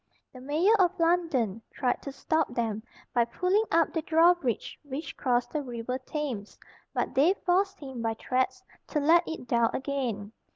The Mayor of London tried to stop them, by pulling up the drawbridge which crossed the river Thames, but they forced him by threats to let it down again.